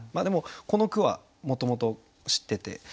でもこの句はもともと知ってて。